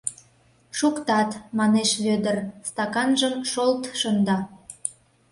— Шуктат, — манеш Вӧдыр, стаканжым шолт шында.